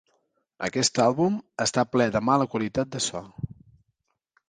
Aquest àlbum està ple de mala qualitat de so.